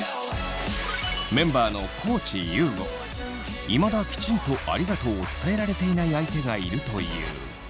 メンバーのいまだきちんと「ありがとう」を伝えられていない相手がいるという。